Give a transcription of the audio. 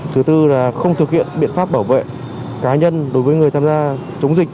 thứ tư là không thực hiện biện pháp bảo vệ cá nhân đối với người tham gia chống dịch